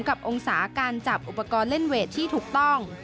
กองศาการจับอุปกรณ์เล่นเวทที่ถูกต้อง